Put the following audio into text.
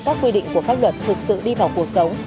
các quy định của pháp luật thực sự đi vào cuộc sống